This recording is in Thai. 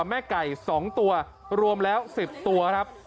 แม่ไก่สองตัวรวมแล้วสิบตัวครับ